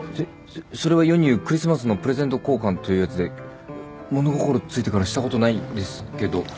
そそれは世に言うクリスマスのプレゼント交換というやつで物心ついてからしたことないんですけど。